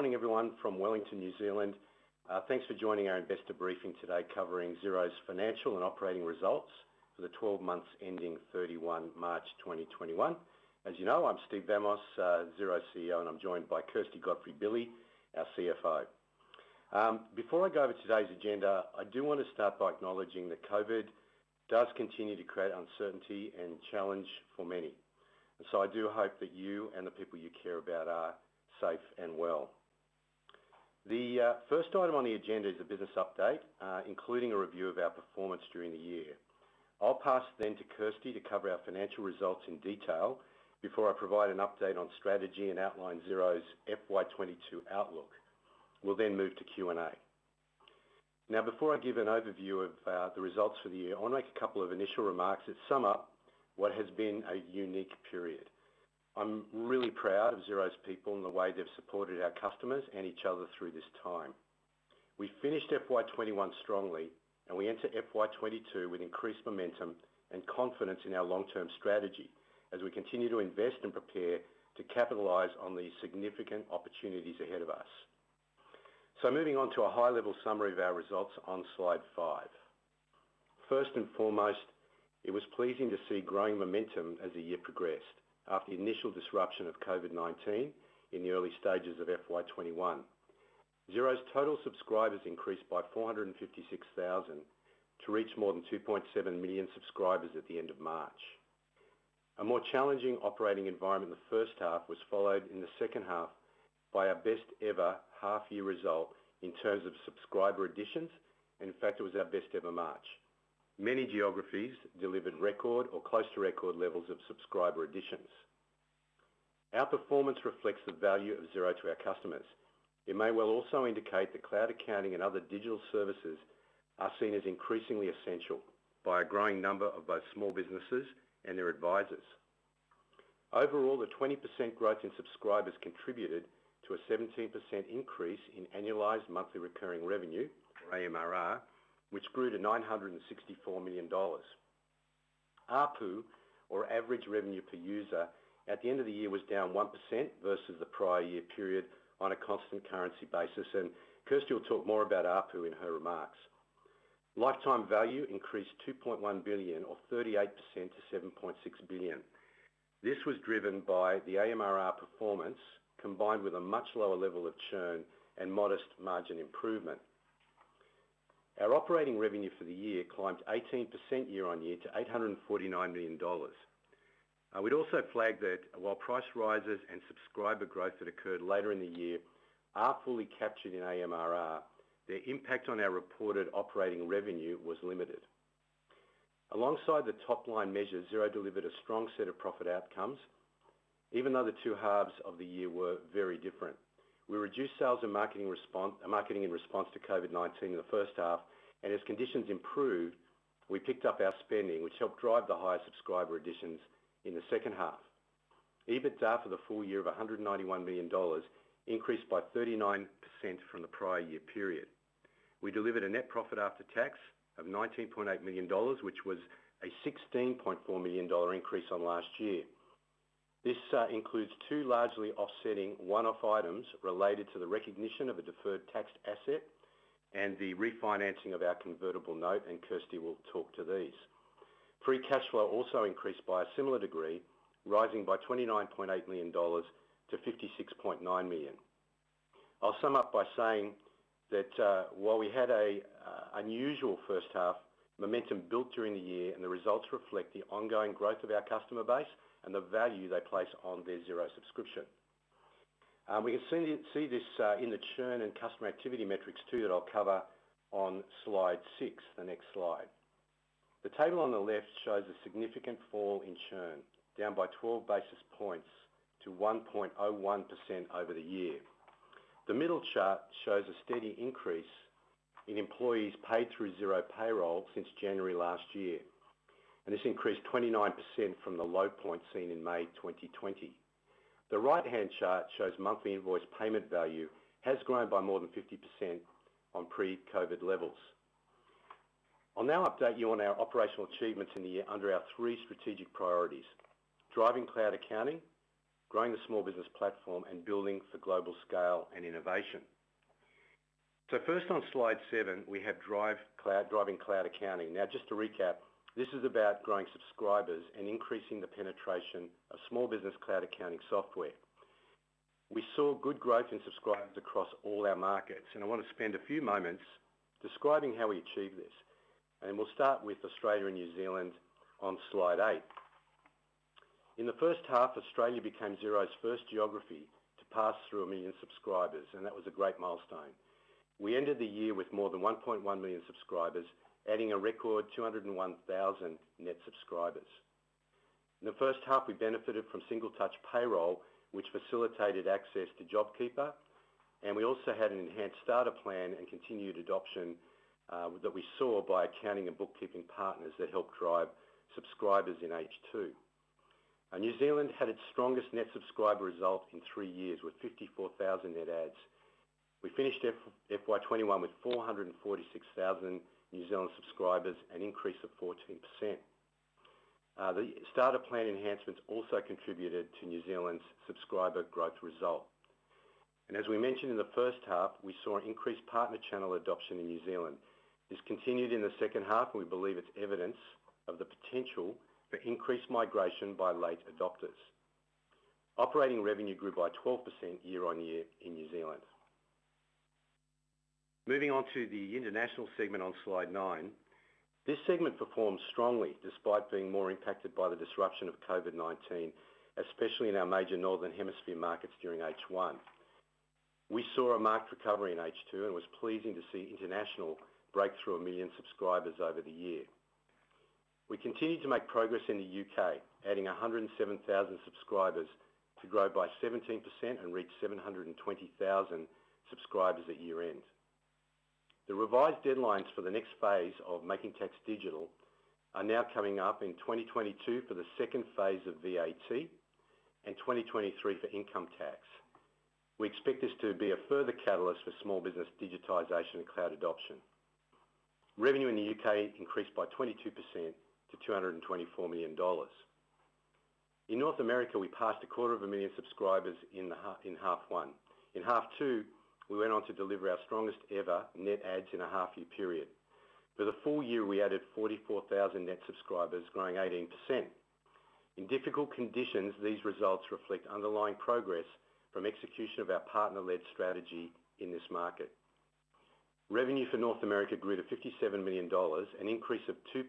Morning everyone from Wellington, New Zealand. Thanks for joining our investor briefing today covering Xero's financial and operating results for the 12 months ending 31 March 2021. As you know, I'm Steve Vamos, Xero's CEO, and I'm joined by Kirsty Godfrey-Billy, our CFO. Before I go over today's agenda, I do want to start by acknowledging that COVID does continue to create uncertainty and challenge for many. I do hope that you and the people you care about are safe and well. The first item on the agenda is a business update, including a review of our performance during the year. I'll pass then to Kirsty to cover our financial results in detail before I provide an update on strategy and outline Xero's FY 2022 outlook. We'll move to Q&A. Before I give an overview of the results for the year, I want to make a couple of initial remarks that sum up what has been a unique period. I'm really proud of Xero's people and the way they've supported our customers and each other through this time. We finished FY 2021 strongly, we enter FY 2022 with increased momentum and confidence in our long-term strategy as we continue to invest and prepare to capitalize on the significant opportunities ahead of us. Moving on to a high-level summary of our results on slide five. First and foremost, it was pleasing to see growing momentum as the year progressed after the initial disruption of COVID-19 in the early stages of FY 2021. Xero's total subscribers increased by 456,000 to reach more than 2.7 million subscribers at the end of March. A more challenging operating environment in the first half was followed in the second half by our best ever half-year result in terms of subscriber additions, and in fact, it was our best ever March. Many geographies delivered record or close to record levels of subscriber additions. Our performance reflects the value of Xero to our customers. It may well also indicate that cloud accounting and other digital services are seen as increasingly essential by a growing number of both small businesses and their advisors. Overall, the 20% growth in subscribers contributed to a 17% increase in annualized monthly recurring revenue, or AMRR, which grew to 964 million dollars. ARPU, or average revenue per user, at the end of the year was down 1% versus the prior year period on a constant currency basis, and Kirsty will talk more about ARPU in her remarks. Lifetime value increased 2.1 billion or 38% to 7.6 billion. This was driven by the AMRR performance, combined with a much lower level of churn and modest margin improvement. Our operating revenue for the year climbed 18% year-on-year to 849 million dollars. We'd also flagged that while price rises and subscriber growth that occurred later in the year are fully captured in AMRR, their impact on our reported operating revenue was limited. Alongside the top line measures, Xero delivered a strong set of profit outcomes, even though the two halves of the year were very different. We reduced sales and marketing in response to COVID-19 in the first half, and as conditions improved, we picked up our spending, which helped drive the higher subscriber additions in the second half. EBITDA for the full year of 191 million dollars increased by 39% from the prior year period. We delivered a net profit after tax of 19.8 million dollars, which was a 16.4 million dollar increase on last year. This includes two largely offsetting one-off items related to the recognition of a deferred taxed asset and the refinancing of our convertible note. Kirsty will talk to these. Free cash flow also increased by a similar degree, rising by 29.8 million-56.9 million dollars. I'll sum up by saying that, while we had a unusual first half, momentum built during the year and the results reflect the ongoing growth of our customer base and the value they place on their Xero subscription. We can see this in the churn and customer activity metrics too that I'll cover on slide six, the next slide. The table on the left shows a significant fall in churn, down by 12 basis points to 1.01% over the year. The middle chart shows a steady increase in employees paid through Xero Payroll since January last year, and this increased 29% from the low point seen in May 2020. The right-hand chart shows monthly invoice payment value has grown by more than 50% on pre-COVID levels. I'll now update you on our operational achievements in the year under our three strategic priorities: driving cloud accounting, growing the small business platform, and building for global scale and innovation. First on slide seven, we have driving cloud accounting. Just to recap, this is about growing subscribers and increasing the penetration of small business cloud accounting software. We saw good growth in subscribers across all our markets, and I want to spend a few moments describing how we achieved this, and we'll start with Australia and New Zealand on slide eight. In the first half, Australia became Xero's first geography to pass through a million subscribers. That was a great milestone. We ended the year with more than 1.1 million subscribers, adding a record 201,000 net subscribers. In the first half, we benefited from Single Touch Payroll, which facilitated access to JobKeeper. We also had an enhanced Starter plan and continued adoption that we saw by accounting and bookkeeping partners that helped drive subscribers in H2. New Zealand had its strongest net subscriber result in three years with 54,000 net adds. We finished FY 2021 with 446,000 New Zealand subscribers, an increase of 14%. The Starter plan enhancements also contributed to New Zealand's subscriber growth result. As we mentioned in the first half, we saw increased partner channel adoption in New Zealand. This continued in the second half. We believe it's evidence of the potential for increased migration by late adopters. Operating revenue grew by 12% year-on-year in New Zealand. Moving on to the international segment on slide nine. This segment performed strongly despite being more impacted by the disruption of COVID-19, especially in our major northern hemisphere markets during H1. We saw a marked recovery in H2 and was pleasing to see international break through a million subscribers over the year. We continued to make progress in the U.K., adding 107,000 subscribers to grow by 17% and reach 720,000 subscribers at year-end. The revised deadlines for the next phase of Making Tax Digital are now coming up in 2022 for the second phase of VAT and 2023 for income tax. We expect this to be a further catalyst for small business digitization and cloud adoption. Revenue in the U.K. increased by 22% to 224 million dollars. In North America, we passed a quarter of a million subscribers in half one. In half two, we went on to deliver our strongest ever net adds in a half year period. For the full year, we added 44,000 net subscribers, growing 18%. In difficult conditions, these results reflect underlying progress from execution of our partner-led strategy in this market. Revenue for North America grew to 57 million dollars, an increase of 2%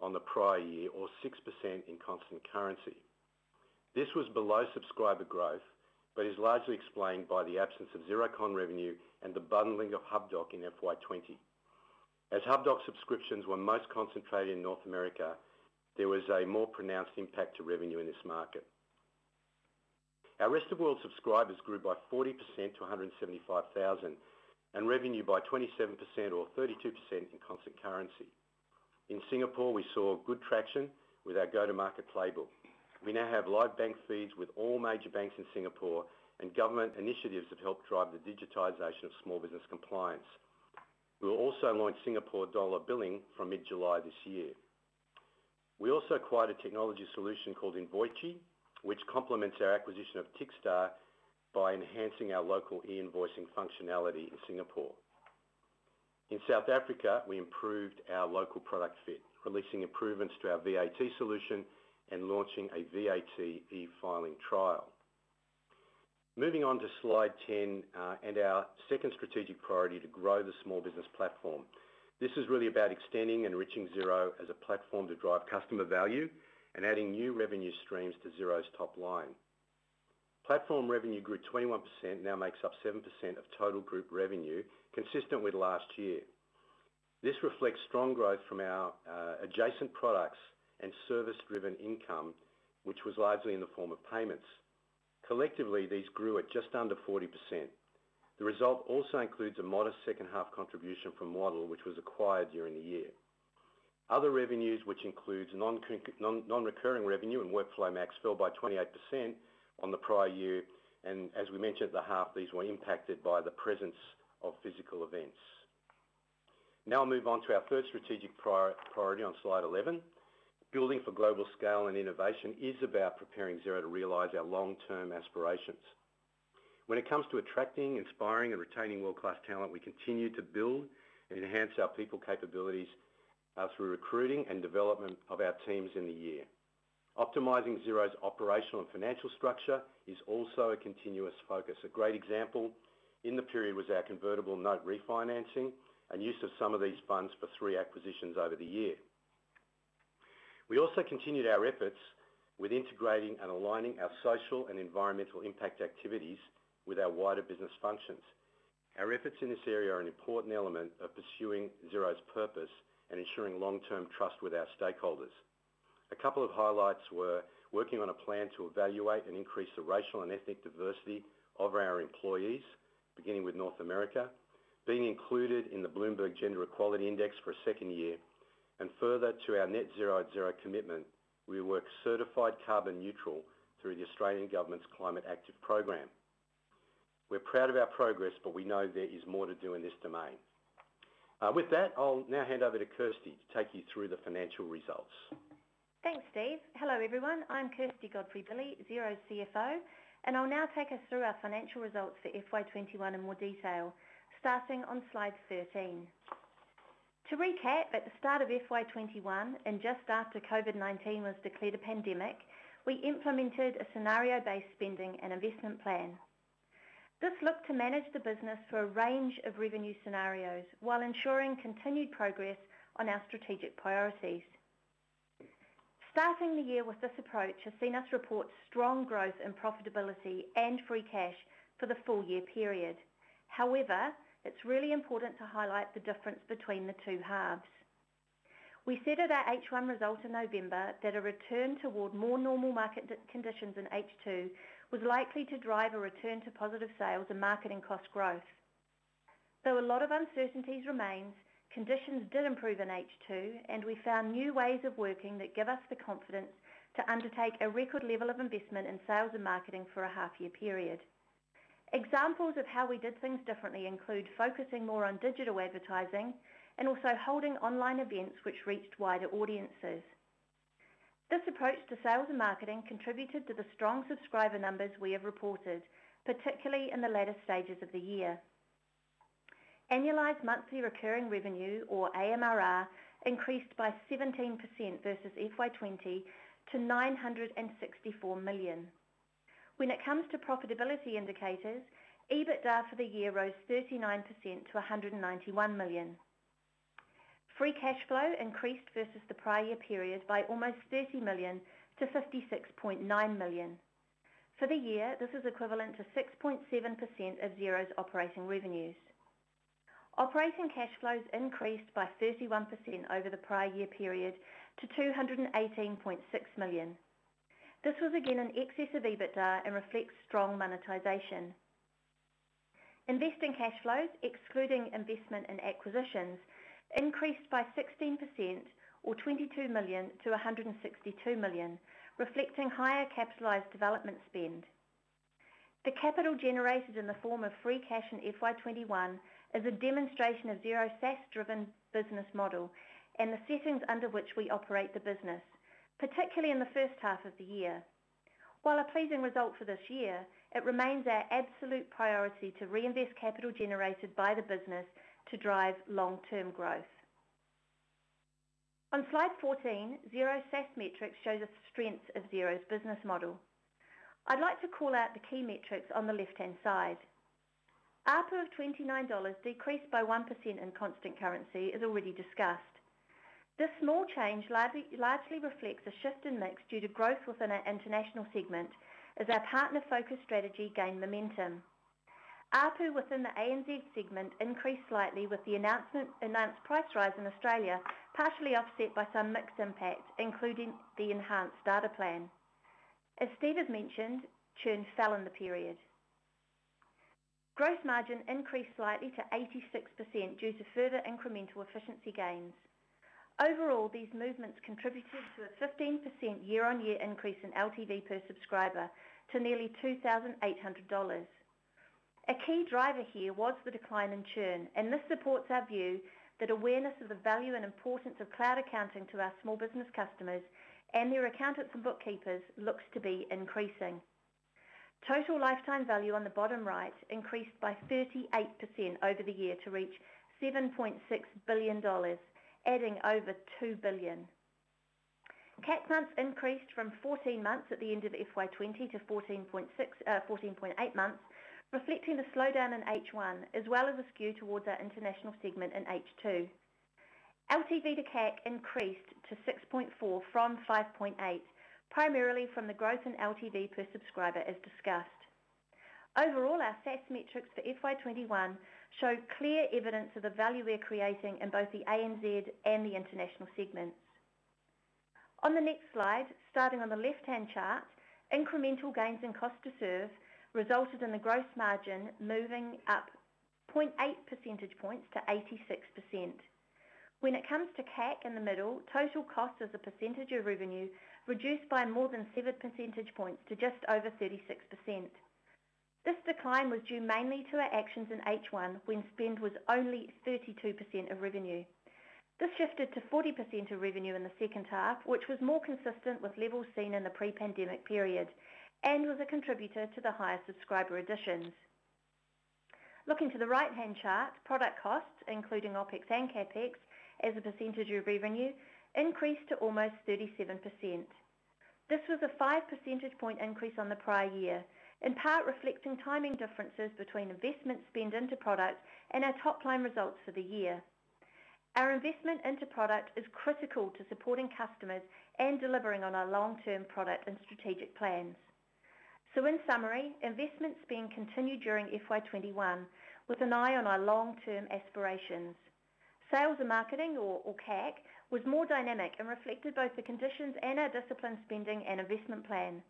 on the prior year or 6% in constant currency. Is largely explained by the absence of Xerocon revenue and the bundling of Hubdoc in FY 2020. As Hubdoc subscriptions were most concentrated in North America, there was a more pronounced impact to revenue in this market. Our rest of world subscribers grew by 40% to 175,000, and revenue by 27% or 32% in constant currency. In Singapore, we saw good traction with our go-to-market playbook. Government initiatives have helped drive the digitization of small business compliance. We now have live bank feeds with all major banks in Singapore. We'll also launch Singapore dollar billing from mid-July this year. We also acquired a technology solution called Invoice, which complements our acquisition of Tickstar by enhancing our local e-invoicing functionality in Singapore. In South Africa, we improved our local product fit, releasing improvements to our VAT solution and launching a VAT e-filing trial. Moving on to slide 10, our second strategic priority to grow the small business platform. This is really about extending and enriching Xero as a platform to drive customer value and adding new revenue streams to Xero's top line. Platform revenue grew 21%, now makes up 7% of total group revenue, consistent with last year. This reflects strong growth from our adjacent products and service-driven income, which was largely in the form of payments. Collectively, these grew at just under 40%. The result also includes a modest second half contribution from Waddle, which was acquired during the year. Other revenues, which includes non-recurring revenue and WorkflowMax, fell by 28% on the prior year. As we mentioned at the half, these were impacted by the presence of physical events. Now I'll move on to our third strategic priority on slide 11. Building for global scale and innovation is about preparing Xero to realize our long-term aspirations. When it comes to attracting, inspiring, and retaining world-class talent, we continue to build and enhance our people capabilities through recruiting and development of our teams in the year. Optimizing Xero's operational and financial structure is also a continuous focus. A great example in the period was our convertible note refinancing and use of some of these funds for three acquisitions over the year. We also continued our efforts with integrating and aligning our social and environmental impact activities with our wider business functions. Our efforts in this area are an important element of pursuing Xero's purpose and ensuring long-term trust with our stakeholders. A couple of highlights were working on a plan to evaluate and increase the racial and ethnic diversity of our employees, beginning with North America, being included in the Bloomberg Gender-Equality Index for a second year, and further to our net zero at Xero commitment, we were certified carbon neutral through the Australian government's Climate Active program. We're proud of our progress, we know there is more to do in this domain. With that, I'll now hand over to Kirsty to take you through the financial results. Thanks, Steve. Hello, everyone. I'm Kirsty Godfrey-Billy, Xero's CFO, and I'll now take us through our financial results for FY 2021 in more detail, starting on slide 13. To recap, at the start of FY 2021, and just after COVID-19 was declared a pandemic, we implemented a scenario-based spending and investment plan. This looked to manage the business through a range of revenue scenarios while ensuring continued progress on our strategic priorities. Starting the year with this approach has seen us report strong growth and profitability and free cash for the full year period. However, it's really important to highlight the difference between the two halves. We said at our H1 results in November that a return toward more normal market conditions in H2 was likely to drive a return to positive sales and marketing cost growth. Though a lot of uncertainties remained, conditions did improve in H2, and we found new ways of working that give us the confidence to undertake a record level of investment in sales and marketing for a half year period. Examples of how we did things differently include focusing more on digital advertising and also holding online events which reached wider audiences. This approach to sales and marketing contributed to the strong subscriber numbers we have reported, particularly in the latter stages of the year. Annualized monthly recurring revenue, or AMRR, increased by 17% versus FY 2020 to 964 million. When it comes to profitability indicators, EBITDA for the year rose 39% to 191 million. Free cash flow increased versus the prior year period by almost 30 million-56.9 million. For the year, this is equivalent to 6.7% of Xero's operating revenues. Operating cash flows increased by 31% over the prior year period to 218.6 million. This was again an excess of EBITDA and reflects strong monetization. Investing cash flows, excluding investment and acquisitions, increased by 16% or 22 million-162 million, reflecting higher capitalized development spend. The capital generated in the form of free cash in FY 2021 is a demonstration of Xero's SaaS-driven business model and the settings under which we operate the business, particularly in the first half of the year. While a pleasing result for this year, it remains our absolute priority to reinvest capital generated by the business to drive long-term growth. On slide 14, Xero's SaaS metrics show the strengths of Xero's business model. I'd like to call out the key metrics on the left-hand side. ARPU of 29 dollars decreased by 1% in constant currency, as already discussed. This small change largely reflects a shift in mix due to growth within our international segment, as our partner-focused strategy gained momentum. ARPU within the ANZ segment increased slightly with the announced price rise in Australia, partially offset by some mixed impacts, including the enhanced Starter plan. As Steve has mentioned, churn fell in the period. Gross margin increased slightly to 86% due to further incremental efficiency gains. Overall, these movements contributed to a 15% year-on-year increase in LTV per subscriber to nearly 2,800 dollars. A key driver here was the decline in churn, and this supports our view that awareness of the value and importance of cloud accounting to our small business customers and their accountants and bookkeepers looks to be increasing. Total lifetime value on the bottom right increased by 38% over the year to reach 7.6 billion dollars, adding over 2 billion. CAC months increased from 14 months at the end of FY 2020 to 14.8 months, reflecting a slowdown in H1, as well as a skew towards our international segment in H2. LTV to CAC increased to 6.4 from 5.8, primarily from the growth in LTV per subscriber, as discussed. Overall, our SaaS metrics for FY 2021 show clear evidence of the value we're creating in both the ANZ and the international segments. On the next slide, starting on the left-hand chart, incremental gains in cost to serve resulted in the gross margin moving up 0.8 percentage points to 86%. When it comes to CAC in the middle, total cost as a percentage of revenue reduced by more than seven percentage points to just over 36%. This decline was due mainly to our actions in H1, when spend was only 32% of revenue. This shifted to 40% of revenue in the second half, which was more consistent with levels seen in the pre-pandemic period and was a contributor to the higher subscriber additions. Looking to the right-hand chart, product costs, including OpEx and CapEx as a percentage of revenue, increased to almost 37%. This was a 5 percentage point increase on the prior year, in part reflecting timing differences between investment spend into product and our top-line results for the year. Our investment into product is critical to supporting customers and delivering on our long-term product and strategic plans. In summary, investment spend continued during FY 2021 with an eye on our long-term aspirations. Sales and marketing, or CAC, was more dynamic and reflected both the conditions and our disciplined spending and investment plan.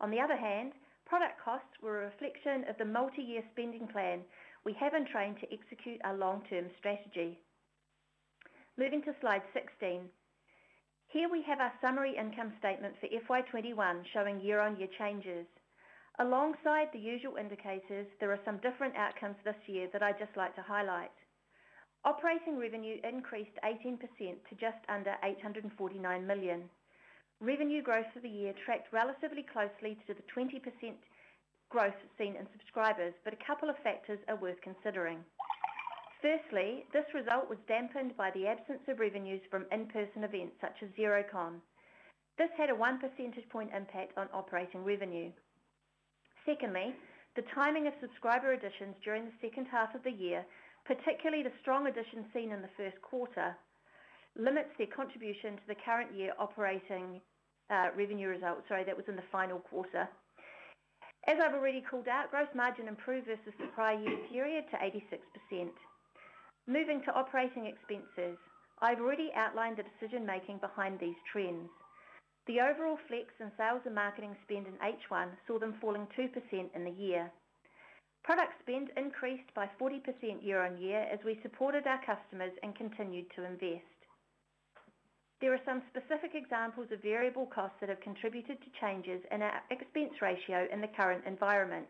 On the other hand, product costs were a reflection of the multi-year spending plan we have enshrined to execute our long-term strategy. Moving to slide 16. Here we have our summary income statement for FY 2021 showing year-on-year changes. Alongside the usual indicators, there are some different outcomes this year that I'd just like to highlight. Operating revenue increased 18% to just under 849 million. Revenue growth for the year tracked relatively closely to the 20% growth seen in subscribers, but a couple of factors are worth considering. Firstly, this result was dampened by the absence of revenues from in-person events such as Xerocon. This had a 1 percentage point impact on operating revenue. Secondly, the timing of subscriber additions during the second half of the year, particularly the strong additions seen in the first quarter, limits their contribution to the current year operating revenue results. Sorry, that was in the final quarter. As I've already called out, gross margin improved versus the prior year period to 86%. Moving to operating expenses. I've already outlined the decision-making behind these trends. The overall flex in sales and marketing spend in H1 saw them falling 2% in the year. Product spend increased by 40% year-on-year as we supported our customers and continued to invest. There are some specific examples of variable costs that have contributed to changes in our expense ratio in the current environment.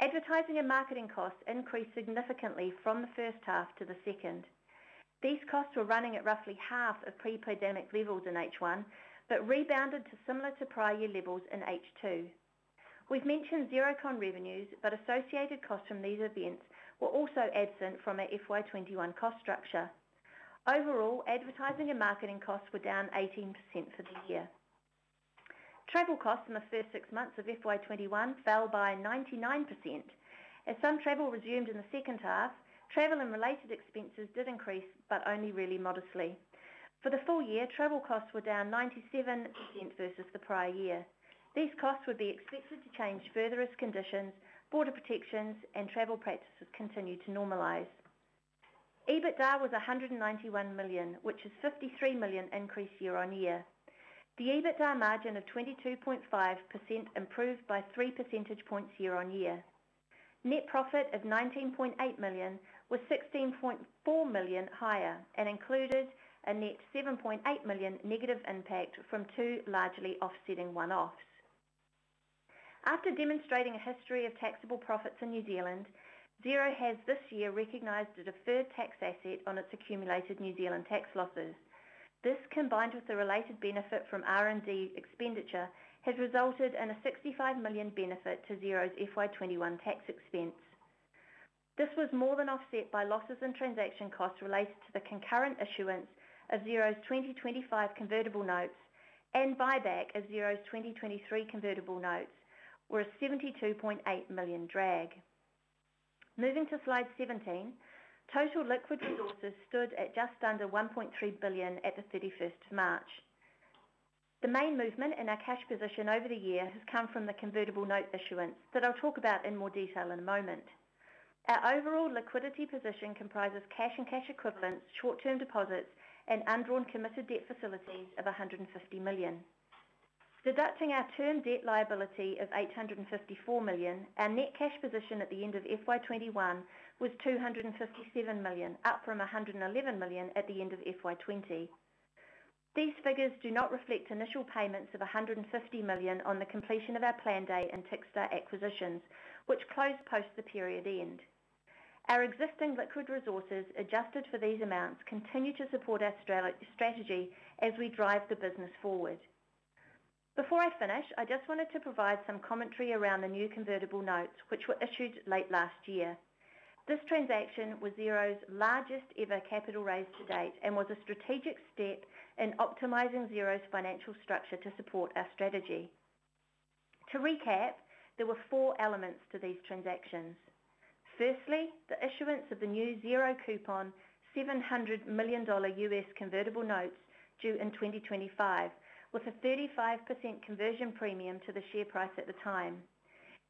Advertising and marketing costs increased significantly from the first half to the second. These costs were running at roughly half of pre-pandemic levels in H1 but rebounded to similar to prior year levels in H2. We've mentioned Xerocon revenues, associated costs from these events were also absent from our FY 2021 cost structure. Overall, advertising and marketing costs were down 18% for the year. Travel costs in the first six months of FY 2021 fell by 99%. As some travel resumed in the second half, travel and related expenses did increase, but only really modestly. For the full year, travel costs were down 97% versus the prior year. These costs would be expected to change further as conditions, border protections, and travel practices continue to normalize. EBITDA was 191 million, which is a 53 million increase year-on-year. The EBITDA margin of 22.5% improved by 3 percentage points year-on-year. Net profit of 19.8 million was 16.4 million higher and included a net 7.8 million negative impact from two largely offsetting one-offs. After demonstrating a history of taxable profits in New Zealand, Xero has this year recognized a deferred tax asset on its accumulated New Zealand tax losses. This, combined with the related benefit from R&D expenditure, has resulted in a 65 million benefit to Xero's FY 2021 tax expense. This was more than offset by losses in transaction costs related to the concurrent issuance of Xero's 2025 convertible notes and buyback of Xero's 2023 convertible notes, or a 72.8 million drag. Moving to slide 17, total liquid resources stood at just under 1.3 billion at the 31st of March. The main movement in our cash position over the year has come from the convertible note issuance that I'll talk about in more detail in a moment. Our overall liquidity position comprises cash and cash equivalents, short-term deposits, and undrawn committed debt facilities of 150 million. Deducting our term debt liability of 854 million, our net cash position at the end of FY 2021 was 257 million, up from 111 million at the end of FY 2020. These figures do not reflect initial payments of 150 million on the completion of our Planday and Tickstar acquisitions, which closed post the period end. Our existing liquid resources, adjusted for these amounts, continue to support our strategy as we drive the business forward. Before I finish, I just wanted to provide some commentary around the new convertible notes, which were issued late last year. This transaction was Xero's largest ever capital raise to date and was a strategic step in optimizing Xero's financial structure to support our strategy. To recap, there were four elements to these transactions. Firstly, the issuance of the new zero-coupon, $700 million U.S. convertible notes due in 2025, with a 35% conversion premium to the share price at the time.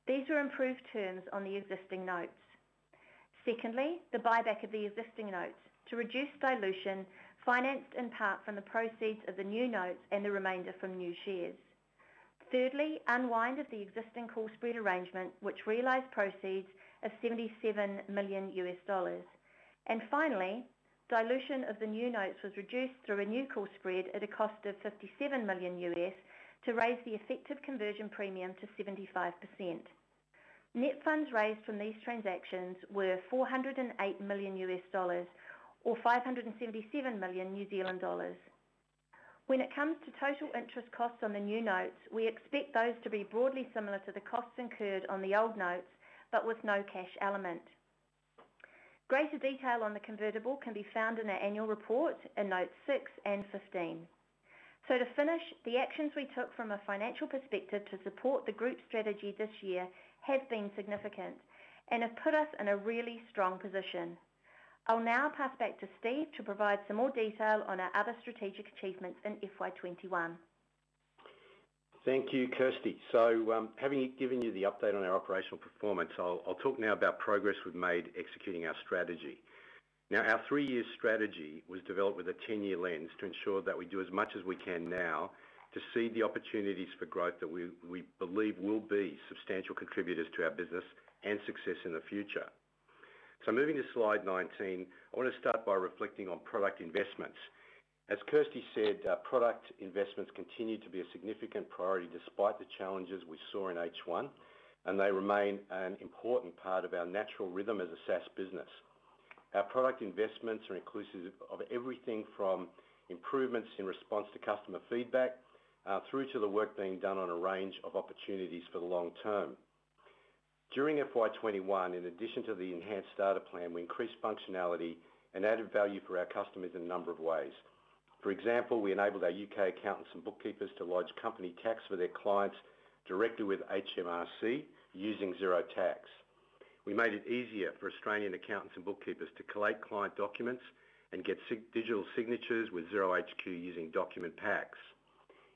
These were improved terms on the existing notes. Secondly, the buyback of the existing notes to reduce dilution, financed in part from the proceeds of the new notes and the remainder from new shares. Thirdly, unwind of the existing call spread arrangement, which realized proceeds of 77 million US dollars. Finally, dilution of the new notes was reduced through a new call spread at a cost of 57 million to raise the effective conversion premium to 75%. Net funds raised from these transactions were 408 million US dollars, or 577 million New Zealand dollars. When it comes to total interest costs on the new notes, we expect those to be broadly similar to the costs incurred on the old notes, but with no cash element. Greater detail on the convertible can be found in our annual report in notes 6 and 15. To finish, the actions we took from a financial perspective to support the group strategy this year have been significant and have put us in a really strong position. I'll now pass back to Steve to provide some more detail on our other strategic achievements in FY21. Thank you, Kirsty. Having given you the update on our operational performance, I'll talk now about progress we've made executing our strategy. Our three-year strategy was developed with a 10-year lens to ensure that we do as much as we can now to seed the opportunities for growth that we believe will be substantial contributors to our business and success in the future. Moving to slide 19, I want to start by reflecting on product investments. As Kirsty said, our product investments continue to be a significant priority despite the challenges we saw in H1, and they remain an important part of our natural rhythm as a SaaS business. Our product investments are inclusive of everything from improvements in response to customer feedback, through to the work being done on a range of opportunities for the long term. During FY 2021, in addition to the enhanced data plan, we increased functionality and added value for our customers in a number of ways. For example, we enabled our U.K. accountants and bookkeepers to lodge company tax for their clients directly with HMRC using Xero Tax. We made it easier for Australian accountants and bookkeepers to collate client documents and get digital signatures with Xero HQ using Document Packs.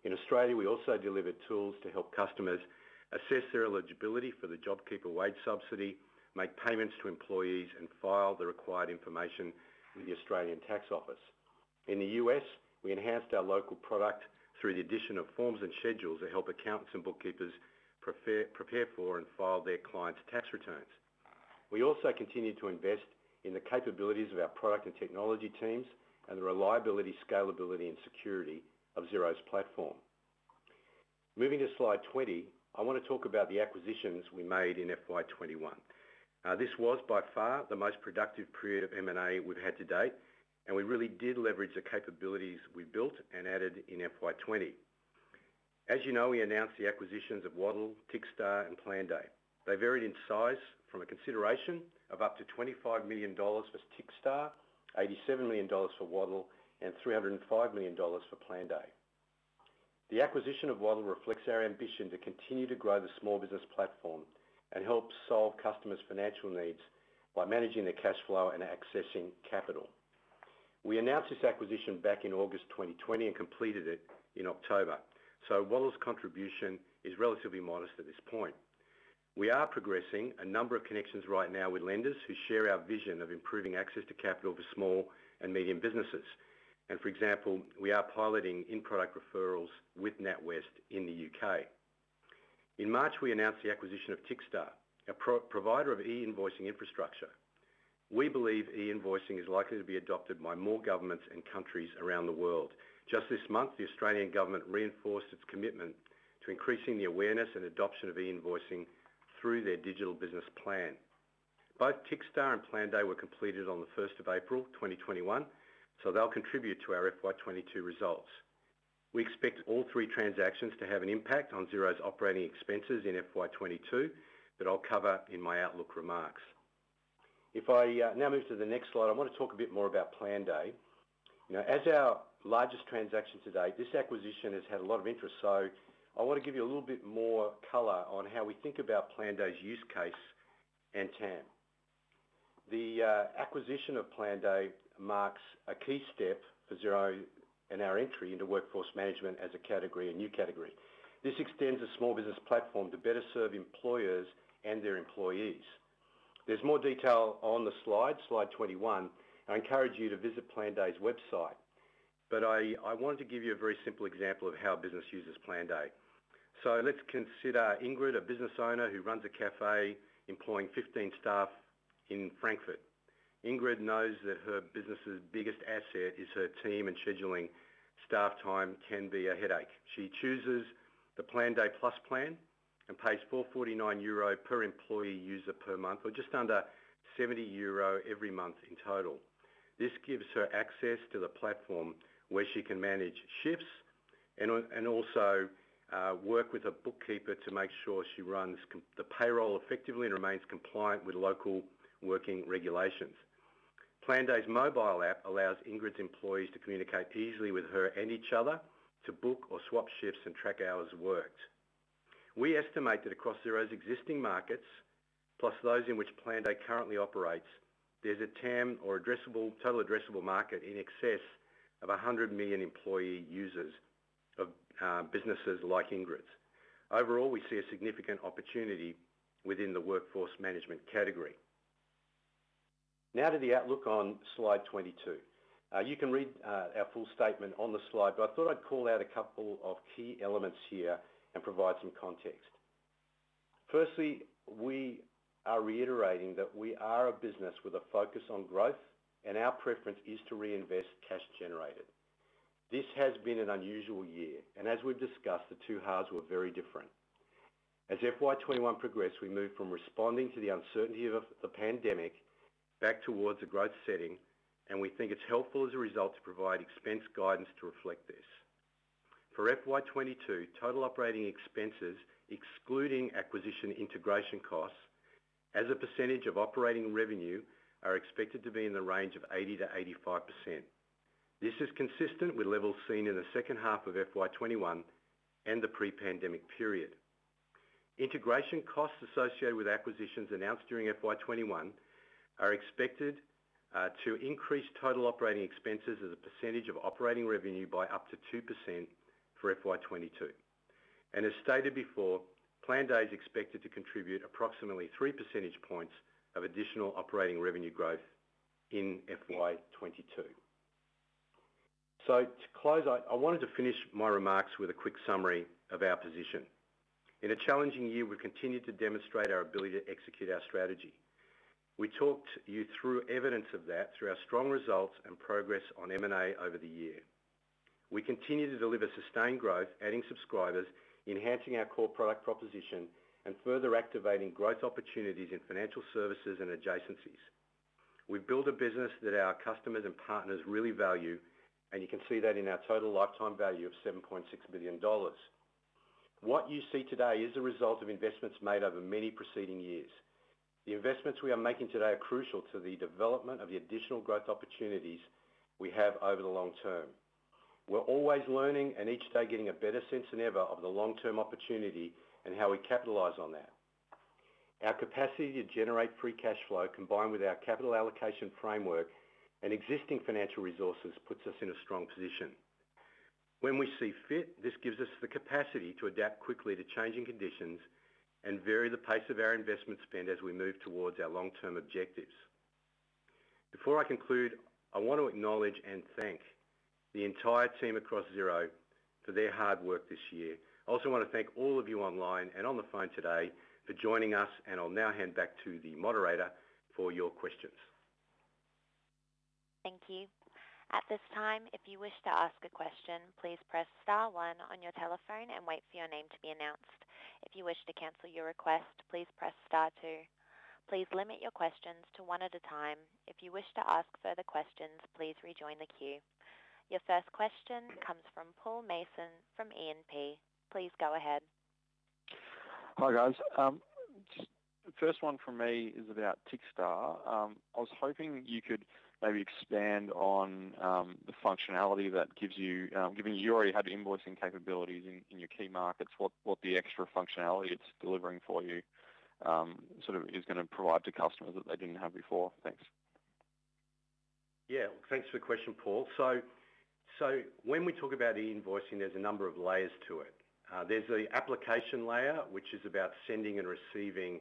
In Australia, we also delivered tools to help customers assess their eligibility for the JobKeeper wage subsidy, make payments to employees, and file the required information with the Australian Taxation Office. In the U.S., we enhanced our local product through the addition of forms and schedules to help accountants and bookkeepers prepare for and file their clients' tax returns. We also continue to invest in the capabilities of our product and technology teams and the reliability, scalability, and security of Xero's platform. Moving to slide 20, I want to talk about the acquisitions we made in FY 2021. This was by far the most productive period of M&A we've had to date, and we really did leverage the capabilities we built and added in FY 2020. As you know, we announced the acquisitions of Waddle, Tickstar, and Planday. They varied in size from a consideration of up to 25 million dollars for Tickstar, 87 million dollars for Waddle, and 305 million dollars for Planday. The acquisition of Waddle reflects our ambition to continue to grow the small business platform and help solve customers' financial needs by managing their cash flow and accessing capital. We announced this acquisition back in August 2020 and completed it in October. Waddle's contribution is relatively modest at this point. We are progressing a number of connections right now with lenders who share our vision of improving access to capital for small and medium businesses. For example, we are piloting in-product referrals with NatWest in the U.K. In March, we announced the acquisition of Tickstar, a provider of e-invoicing infrastructure. We believe e-invoicing is likely to be adopted by more governments and countries around the world. Just this month, the Australian government reinforced its commitment to increasing the awareness and adoption of e-invoicing through their digital business plan. Both Tickstar and Planday were completed on the 1st of April 2021. They'll contribute to our FY 2022 results. We expect all three transactions to have an impact on Xero's operating expenses in FY 2022 that I'll cover in my outlook remarks. If I now move to the next slide, I want to talk a bit more about Planday. As our largest transaction to date, this acquisition has had a lot of interest, so I want to give you a little bit more color on how we think about Planday's use case and TAM. The acquisition of Planday marks a key step for Xero and our entry into workforce management as a category, a new category. This extends a small business platform to better serve employers and their employees. There's more detail on the slide 21, and I encourage you to visit Planday's website, but I wanted to give you a very simple example of how a business uses Planday. Let's consider Ingrid, a business owner who runs a cafe employing 15 staff in Frankfurt. Ingrid knows that her business's biggest asset is her team, and scheduling staff time can be a headache. She chooses the Planday Plus plan and pays 4.49 euro per employee user per month, or just under 70 euro every month in total. This gives her access to the platform where she can manage shifts and also, work with a bookkeeper to make sure she runs the payroll effectively and remains compliant with local working regulations. Planday's mobile app allows Ingrid's employees to communicate easily with her and each other to book or swap shifts and track hours worked. We estimate that across Xero's existing markets, plus those in which Planday currently operates, there's a TAM or total addressable market in excess of 100 million employee users of businesses like Ingrid's. Overall, we see a significant opportunity within the workforce management category. Now to the outlook on slide 22. You can read our full statement on the slide. I thought I'd call out a couple of key elements here and provide some context. Firstly, we are reiterating that we are a business with a focus on growth, and our preference is to reinvest cash generated. This has been an unusual year, and as we've discussed, the two halves were very different. As FY 2021 progressed, we moved from responding to the uncertainty of the pandemic back towards a growth setting, and we think it's helpful as a result to provide expense guidance to reflect this. For FY 2022, total operating expenses, excluding acquisition integration costs as a percentage of operating revenue, are expected to be in the range of 80%-85%. This is consistent with levels seen in the second half of FY 2021 and the pre-pandemic period. Integration costs associated with acquisitions announced during FY 2021 are expected to increase total operating expenses as a percentage of operating revenue by up to 2% for FY 2022. As stated before, Planday is expected to contribute approximately three percentage points of additional operating revenue growth in FY 2022. To close, I wanted to finish my remarks with a quick summary of our position. In a challenging year, we've continued to demonstrate our ability to execute our strategy. We talked you through evidence of that through our strong results and progress on M&A over the year. We continue to deliver sustained growth, adding subscribers, enhancing our core product proposition, and further activating growth opportunities in financial services and adjacencies. We've built a business that our customers and partners really value, and you can see that in our total lifetime value of 7.6 billion dollars. What you see today is a result of investments made over many preceding years. The investments we are making today are crucial to the development of the additional growth opportunities we have over the long term. We're always learning, and each day getting a better sense than ever of the long-term opportunity and how we capitalize on that. Our capacity to generate free cash flow, combined with our capital allocation framework and existing financial resources, puts us in a strong position. When we see fit, this gives us the capacity to adapt quickly to changing conditions and vary the pace of our investment spend as we move towards our long-term objectives. Before I conclude, I want to acknowledge and thank the entire team across Xero for their hard work this year. I also want to thank all of you online and on the phone today for joining us. I'll now hand back to the moderator for your questions. Thank you. Your first question comes from Paul Mason from E&P. Please go ahead. Hi, guys. Just the first one from me is about Tickstar. I was hoping you could maybe expand on the functionality that, given you already have invoicing capabilities in your key markets, what the extra functionality it's delivering for you is going to provide to customers that they didn't have before. Thanks. Yeah. Thanks for the question, Paul. When we talk about e-invoicing, there's a number of layers to it. There's the application layer, which is about sending and receiving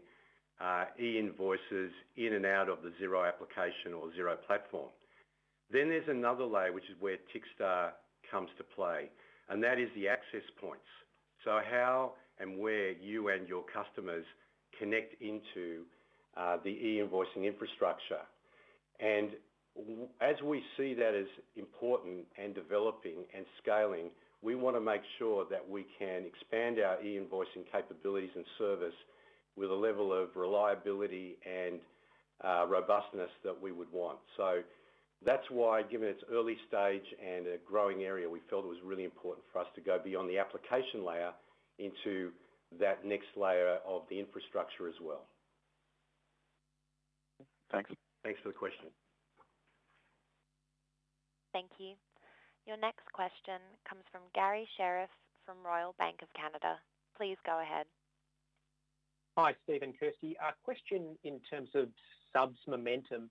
e-invoices in and out of the Xero application or Xero platform. There's another layer, which is where Tickstar comes to play, and that is the access points. How and where you and your customers connect into the e-invoicing infrastructure. As we see that as important and developing and scaling, we want to make sure that we can expand our e-invoicing capabilities and service with a level of reliability and robustness that we would want. That's why, given its early stage and a growing area, we felt it was really important for us to go beyond the application layer into that next layer of the infrastructure as well. Thanks. Thanks for the question. Thank you. Your next question comes from Garry Sherriff from Royal Bank of Canada. Please go ahead. Hi, Steve and Kirsty. A question in terms of subs momentum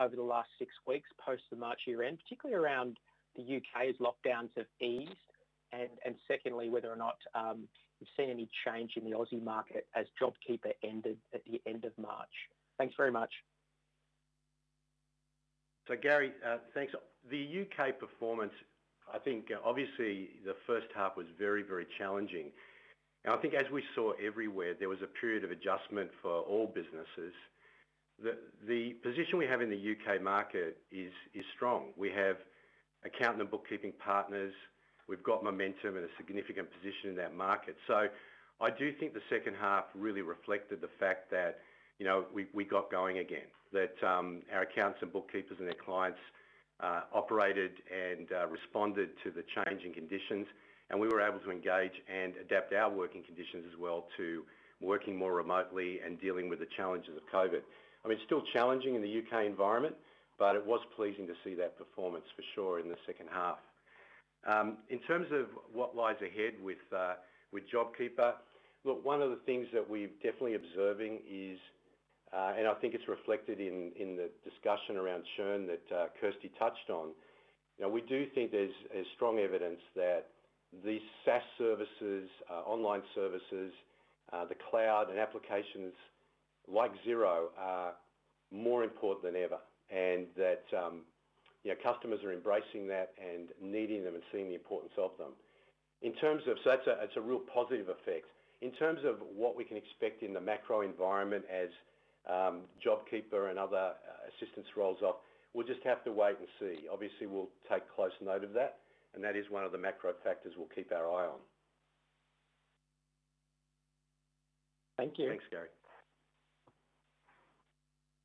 over the last six weeks post the March year-end, particularly around the U.K.'s lockdowns have eased. Secondly, whether or not you've seen any change in the Aussie market as JobKeeper ended at the end of March. Thanks very much. Garry, thanks. The U.K. performance, the first half was very challenging. As we saw everywhere, there was a period of adjustment for all businesses. The position we have in the U.K. market is strong. We have accountant and bookkeeping partners. We've got momentum and a significant position in that market. The second half really reflected the fact that we got going again, that our accountants and bookkeepers and their clients operated and responded to the change in conditions, and we were able to engage and adapt our working conditions as well to working more remotely and dealing with the challenges of COVID. It's still challenging in the U.K. environment, but it was pleasing to see that performance for sure in the second half. In terms of what lies ahead with JobKeeper, look, one of the things that we're definitely observing is, and I think it's reflected in the discussion around churn that Kirsty touched on. We do think there's strong evidence that these SaaS services, online services, the cloud, and applications like Xero are more important than ever, and that customers are embracing that and needing them and seeing the importance of them. That's a real positive effect. In terms of what we can expect in the macro environment as JobKeeper and other assistance rolls off, we'll just have to wait and see. Obviously, we'll take close note of that, and that is one of the macro factors we'll keep our eye on. Thank you. Thanks, Garry.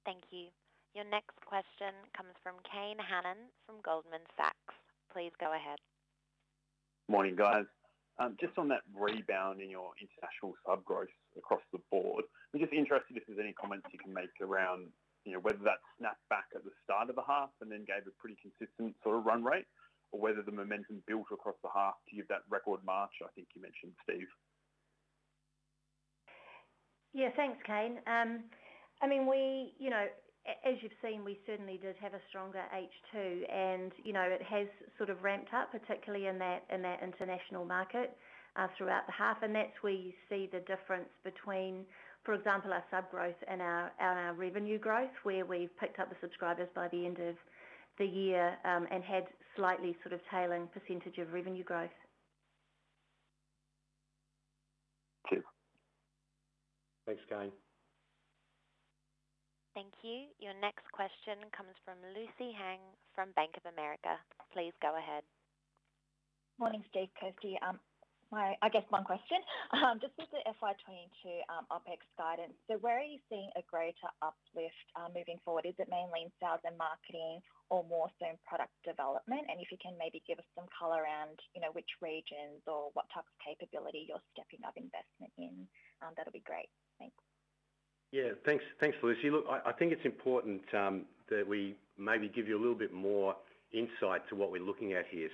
Thank you. Your next question comes from Kane Hannan from Goldman Sachs. Please go ahead. Morning, guys. Just on that rebound in your international sub growth across the board, I'm just interested if there's any comments you can make around whether that snapped back at the start of the half and then gave a pretty consistent run rate or whether the momentum built across the half to give that record March I think you mentioned, Steve? Yeah. Thanks, Kane. As you've seen, we certainly did have a stronger H2, and it has sort of ramped up, particularly in that international market, throughout the half. That's where you see the difference between, for example, our sub growth and our revenue growth, where we've picked up the subscribers by the end of the year, and had slightly tailing percentage of revenue growth. Thank you. Thanks, Kane. Thank you. Your next question comes from Lucy Huang from Bank of America. Please go ahead. Morning, Steve, Kirsty. I guess one question. Just with the FY 2022 OpEx guidance, where are you seeing a greater uplift, moving forward? Is it mainly in sales and marketing or more so in product development? If you can maybe give us some color around which regions or what type of capability you're stepping up investment in, that'll be great. Thanks. Yeah. Thanks, Lucy. Look, I think it's important that we maybe give you a little bit more insight to what we're looking at here.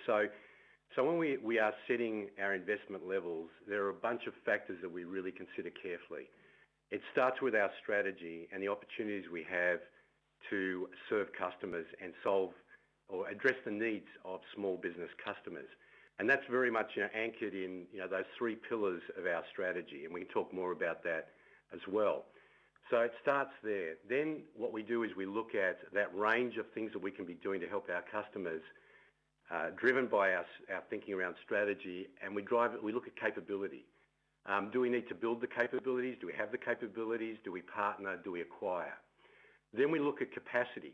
When we are setting our investment levels, there are a bunch of factors that we really consider carefully. It starts with our strategy and the opportunities we have to serve customers and solve or address the needs of small business customers. That's very much anchored in those three pillars of our strategy, and we can talk more about that as well. It starts there. What we do is we look at that range of things that we can be doing to help our customers, driven by our thinking around strategy, and we look at capability. Do we need to build the capabilities? Do we have the capabilities? Do we partner? Do we acquire? We look at capacity.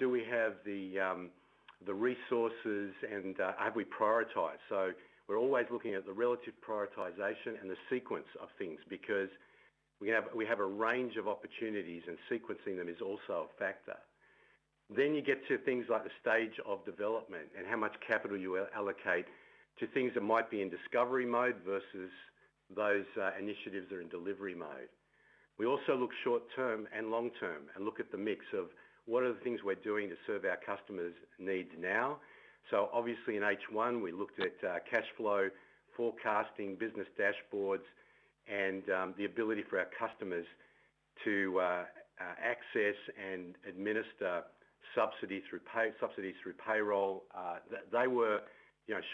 Do we have the resources and have we prioritized? We're always looking at the relative prioritization and the sequence of things, because we have a range of opportunities, and sequencing them is also a factor. You get to things like the stage of development and how much capital you allocate to things that might be in discovery mode versus those initiatives that are in delivery mode. We also look short-term and long-term and look at the mix of what are the things we're doing to serve our customers' needs now. Obviously in H1, we looked at cashflow forecasting, business dashboards, and the ability for our customers to access and administer subsidies through payroll. They were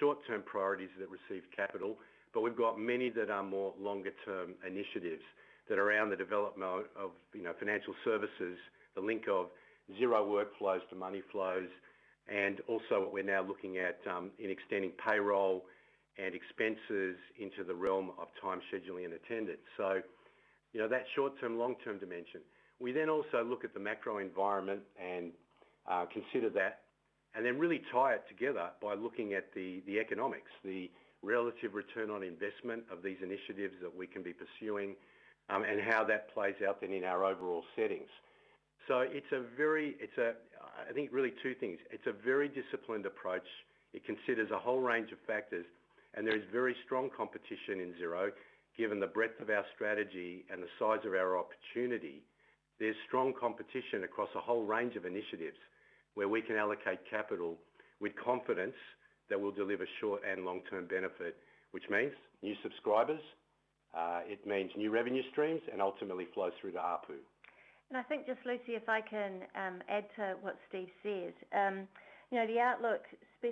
short-term priorities that received capital, but we've got many that are more longer-term initiatives that around the development of financial services, the link of Xero workflows to money flows, and also what we're now looking at in extending payroll and expenses into the realm of time scheduling and attendance. That short-term, long-term dimension. We then also look at the macro environment and consider that, and then really tie it together by looking at the economics, the relative return on investment of these initiatives that we can be pursuing, and how that plays out then in our overall settings. It's, I think, really two things. It's a very disciplined approach. It considers a whole range of factors, and there is very strong competition in Xero given the breadth of our strategy and the size of our opportunity. There's strong competition across a whole range of initiatives where we can allocate capital with confidence that we'll deliver short and long-term benefit, which means new subscribers, it means new revenue streams, and ultimately flows through to ARPU. I think just Lucy, if I can add to what Steve said. The outlook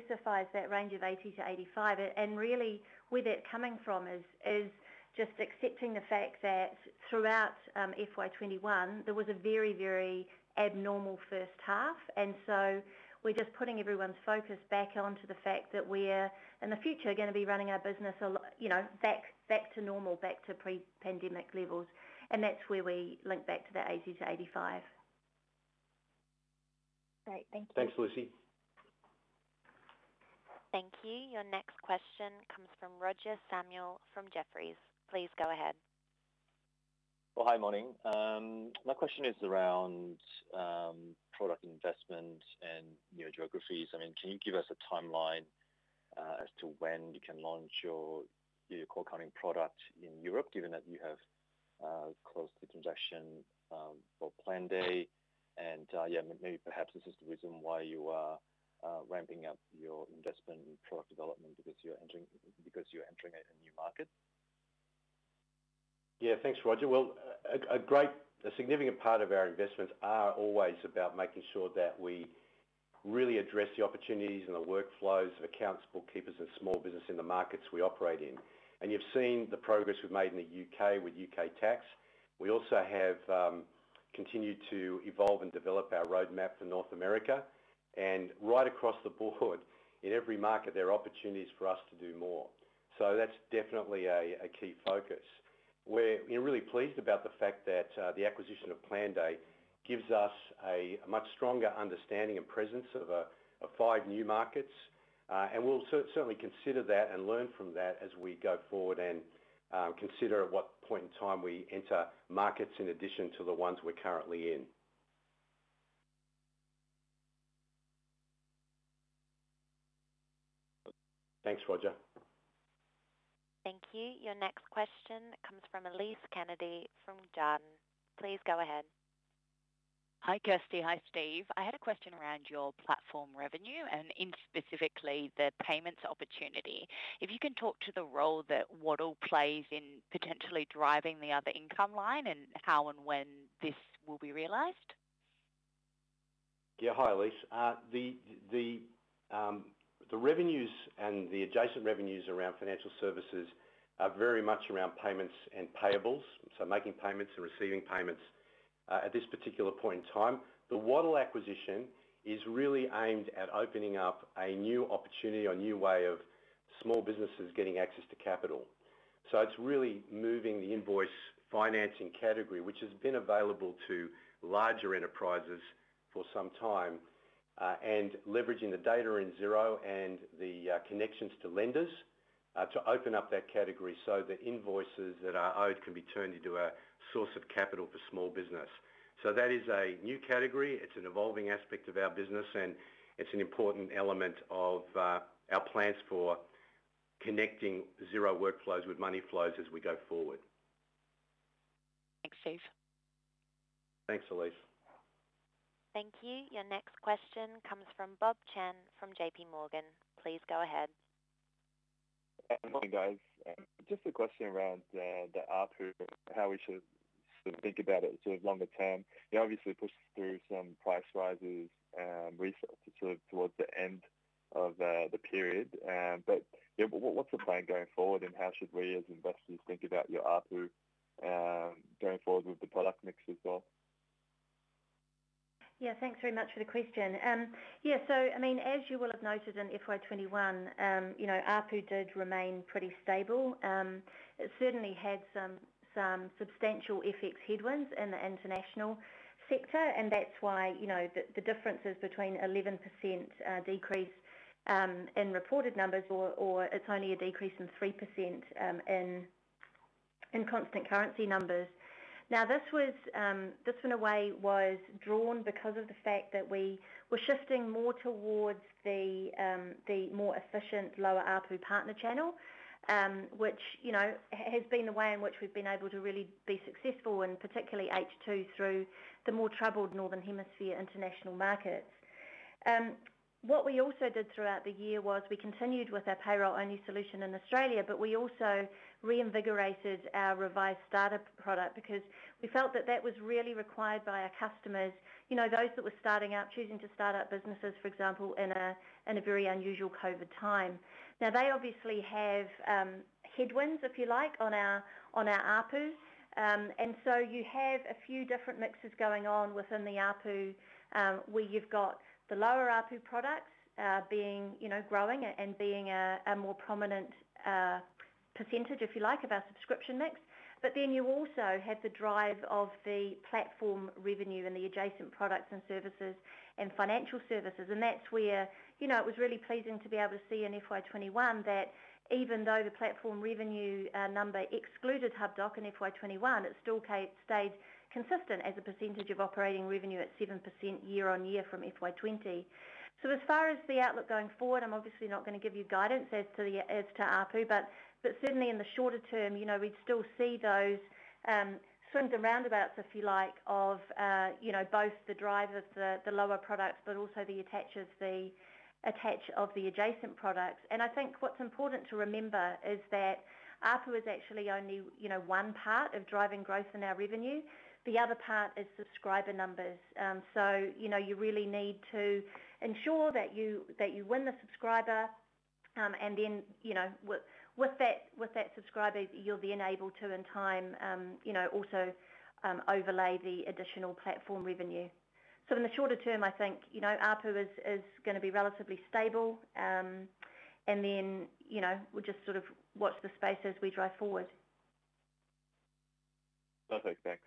specifies that range of 80-85, and really where that's coming from is just accepting the fact that throughout FY 2021, there was a very abnormal first half. We're just putting everyone's focus back onto the fact that we're in the future going to be running our business back to normal, back to pre-pandemic levels, and that's where we link back to that 80-85. Great. Thank you. Thanks, Lucy. Thank you. Your next question comes from Roger Samuel from Jefferies. Please go ahead. Well, hi, morning. My question is around product investment and geographies. Can you give us a timeline as to when you can launch your core accounting product in Europe, given that you have closed the transaction for Planday? Yeah, maybe perhaps this is the reason why you are ramping up your investment in product development because you're entering a new market. Thanks, Roger. Well, a significant part of our investments are always about making sure that we really address the opportunities and the workflows of accounts, bookkeepers, and small business in the markets we operate in. You've seen the progress we've made in the U.K. with U.K. tax. We also have continued to evolve and develop our roadmap for North America. Right across the board in every market, there are opportunities for us to do more. That's definitely a key focus, where we're really pleased about the fact that the acquisition of Planday gives us a much stronger understanding and presence of five new markets. We'll certainly consider that and learn from that as we go forward and consider at what point in time we enter markets in addition to the ones we're currently in. Thanks, Roger. Thank you. Your next question comes from Elise Kennedy from Jarden. Please go ahead. Hi, Kirsty. Hi, Steve. I had a question around your platform revenue and in specifically the payments opportunity. If you can talk to the role that Waddle plays in potentially driving the other income line and how and when this will be realized. Hi, Elise. The revenues and the adjacent revenues around financial services are very much around payments and payables, so making payments and receiving payments at this particular point in time. The Waddle acquisition is really aimed at opening up a new opportunity or new way of small businesses getting access to capital. It's really moving the invoice financing category, which has been available to larger enterprises for some time, and leveraging the data in Xero and the connections to lenders to open up that category so the invoices that are owed can be turned into a source of capital for small business. That is a new category. It's an evolving aspect of our business, and it's an important element of our plans for connecting Xero workflows with money flows as we go forward. Thanks, Steve. Thanks, Elise. Thank you. Your next question comes from Bob Chen from JPMorgan. Please go ahead. Good morning, guys. Just a question around the ARPU, how we should think about it longer term. You obviously pushed through some price rises towards the end of the period. What's the plan going forward, and how should we as investors think about your ARPU going forward with the product mix as well? Yeah, thanks very much for the question. As you will have noted in FY 2021, ARPU did remain pretty stable. It certainly had some substantial FX headwinds in the international sector, and that's why the differences between 11% decrease in reported numbers, or it's only a decrease in 3% in constant currency numbers. Now, this in a way was drawn because of the fact that we were shifting more towards the more efficient lower ARPU partner channel, which has been the way in which we've been able to really be successful in particularly H2 through the more troubled Northern Hemisphere international markets. What we also did throughout the year was we continued with our payroll-only solution in Australia, but we also reinvigorated our revised Starter product because we felt that that was really required by our customers, those that were starting out, choosing to start up businesses, for example, in a very unusual COVID time. They obviously have headwinds, if you like, on our ARPU. You have a few different mixes going on within the ARPU, where you've got the lower ARPU products growing and being a more prominent percentage if you like, of our subscription mix. You also have the drive of the platform revenue and the adjacent products and services and financial services. That's where it was really pleasing to be able to see in FY 2021 that even though the platform revenue number excluded Hubdoc in FY 2021, it still stayed consistent as a percentage of operating revenue at 7% year-over-year from FY 2020. As far as the outlook going forward, I'm obviously not going to give you guidance as to ARPU, but certainly in the shorter term, we'd still see those swings and roundabouts, if you like, of both the drive of the lower products, but also the attach of the adjacent products. I think what's important to remember is that ARPU is actually only one part of driving growth in our revenue. The other part is subscriber numbers. You really need to ensure that you win the subscriber, and then with that subscriber, you'll then able to in time also overlay the additional platform revenue. In the shorter term, I think ARPU is going to be relatively stable. Then, we'll just sort of watch the space as we drive forward. Perfect. Thanks.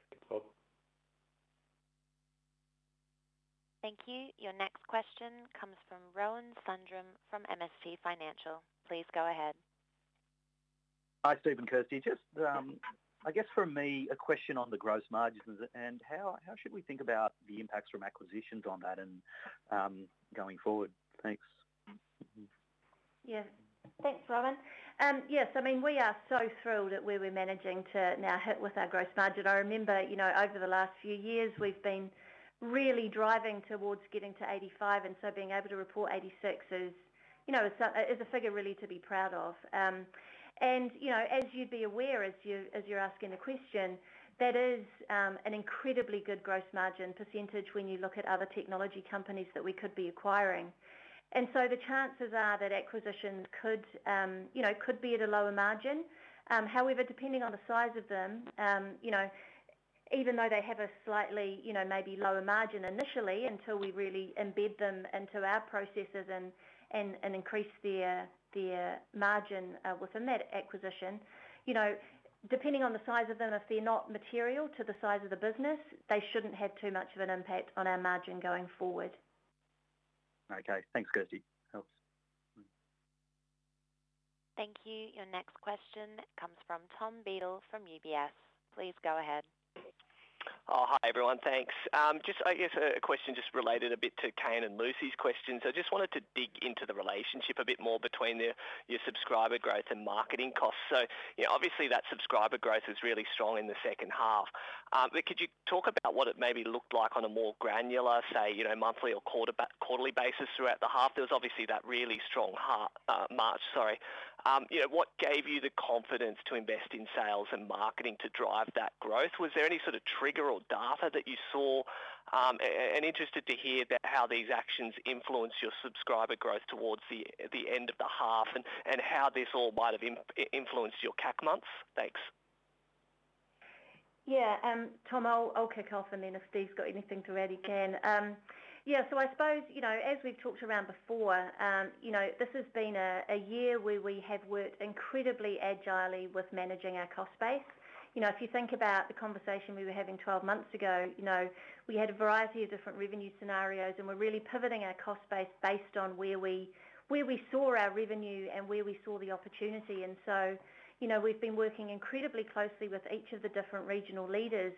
Thank you. Your next question comes from Rohan Sundram from MST Financial. Please go ahead. Hi, Steve and Kirsty. Just I guess for me, a question on the gross margins and how should we think about the impacts from acquisitions on that and going forward? Thanks. Yeah. Thanks, Rohan. Yes, we are so thrilled at where we're managing to now hit with our gross margin. I remember, over the last few years, we've been really driving towards getting to 85%, and so being able to report 86% is a figure really to be proud of. As you'd be aware, as you're asking the question, that is an incredibly good gross margin percentage when you look at other technology companies that we could be acquiring. The chances are that acquisitions could be at a lower margin. However, depending on the size of them, even though they have a slightly maybe lower margin initially until we really embed them into our processes and increase their margin within that acquisition. Depending on the size of them, if they are not material to the size of the business, they should not have too much of an impact on our margin going forward. Okay. Thanks, Kirsty. Helps. Thank you. Your next question comes from Tom Beadle from UBS. Please go ahead. Hi everyone. Thanks. Just, I guess a question just related a bit to Kane and Lucy's questions. I just wanted a to dig into the relationship a bit more between your subscriber growth and the marketing costs, obviously that subscriber growth is really strong in the second half. Could you talk about what it maybe looked like on a more granular, say, monthly or quarterly basis throughout the half? There was obviously that really strong March. What gave you the confidence to invest in sales and marketing to drive that growth? Was there any sort of trigger or data that you saw? Interested to hear about how these actions influenced your subscriber growth towards the end of the half and how this all might have influenced your CAC months. Thanks. Yeah. Tom, I'll kick off and then if Steve's got anything to add, he can. I suppose, as we've talked around before, this has been a year where we have worked incredibly agilely with managing our cost base. If you think about the conversation we were having 12 months ago, we had a variety of different revenue scenarios, and we're really pivoting our cost base based on where we saw our revenue and where we saw the opportunity. We've been working incredibly closely with each of the different regional leaders,